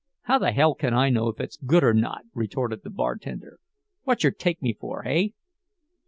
"How the hell can I know if it's good or not?" retorted the bartender. "Whatcher take me for, hey?"